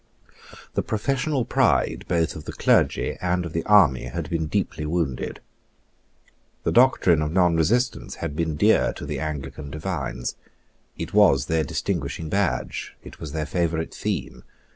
The professional pride both of the clergy and of the army had been deeply wounded. The doctrine of nonresistance had been dear to the Anglican divines. It was their distinguishing badge. It was their favourite theme.